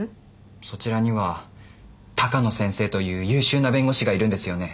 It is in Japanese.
そちらには鷹野先生という優秀な弁護士がいるんですよね？